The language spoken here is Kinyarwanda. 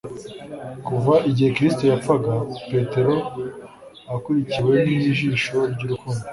Kuva igihe Kristo yapfaga, Petero akurikiwe n'ijisho ry'urukundo